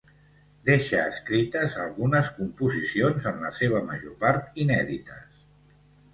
Deixà escrites algunes composicions, en la seva major part inèdites.